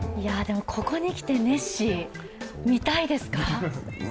ここに来てネッシー、見たいですか？